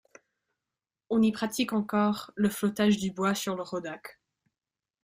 On y pratique encore le flottage du bois sur le Rodach.